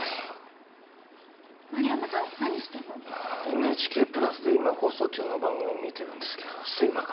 ＮＨＫプラスで今放送中の番組を見てるんですけど睡魔が。